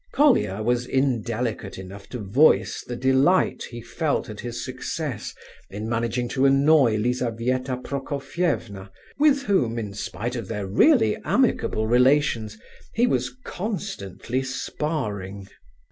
Colia was indelicate enough to voice the delight he felt at his success in managing to annoy Lizabetha Prokofievna, with whom, in spite of their really amicable relations, he was constantly sparring.